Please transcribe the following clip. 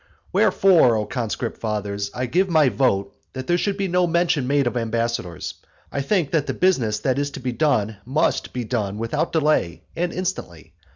Wherefore, O conscript fathers, I give my vote that there should be no mention made of ambassadors I think that the business that is to be done must be done without any delay, and instantly.